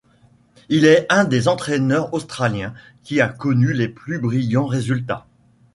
Il est un des entraîneurs australiens qui a connu les plus brillants résultats.